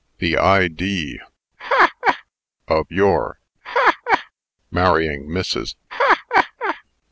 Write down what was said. "The idee ha! ha! of your ha! ha! marrying Mrs. ha! ha! ha!"